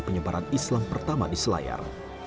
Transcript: penyebaran islam pertama di selayar